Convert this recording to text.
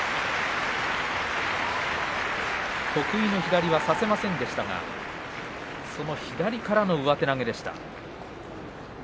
得意の左は差せませんでしたがその左からの上手投げでした。